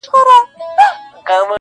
• دا بې ذوقه بې هنره محفلونه زموږ نه دي,